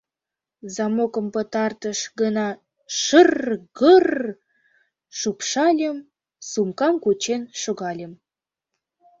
Замокым пытартыш гана шыр-р-гыр-р шупшыльым, сумкам кучен шогальым.